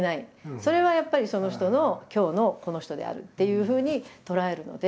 それはやっぱりその人の今日のこの人であるっていうふうに捉えるので。